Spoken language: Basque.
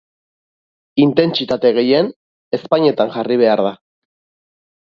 Intentsitate gehien ezpainetan jarri behar da.